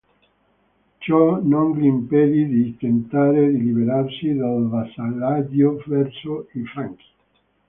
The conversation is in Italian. Ciò non gli impedì di tentare di liberarsi del vassallaggio verso i Franchi.